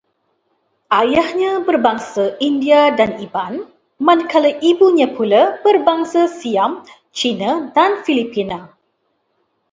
Ayahnya berbangsa India dan Iban, manakala ibunya pula berbangsa Siam, Cina dan Filipina